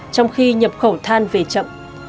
trong khi nhập khẩu than về chậm